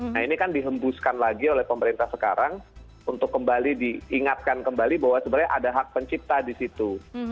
nah ini kan dihembuskan lagi oleh pemerintah sekarang untuk kembali diingatkan kembali bahwa sebenarnya ada hak pencipta di situ